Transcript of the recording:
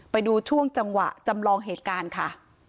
ไปดูช่วงจังหวะจำลองเหตุการณ์ค่ะ